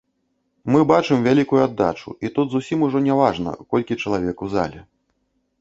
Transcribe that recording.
Мы бачым вялікую аддачу, і тут зусім ужо не важна, колькі чалавек у зале.